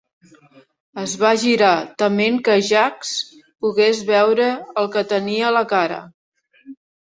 Es va girar, tement que Jacques pogués veure el que tenia a la cara.